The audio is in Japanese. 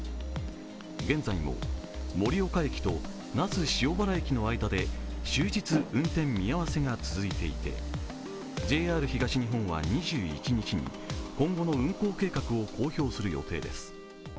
現在も森岡駅と那須塩原駅の間で終日運転見合わせが続いていてＪＲ東日本は２１日に、今後の運行計画を公表する予定です。